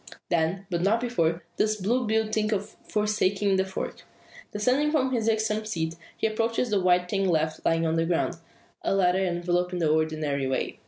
Then, but not before, does Blue Bill think of forsaking the fork. Descending from his irksome seat, he approaches the white thing left lying on the ground a letter enveloped in the ordinary way.